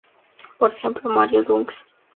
Por ejemplo, "Mario Ducks".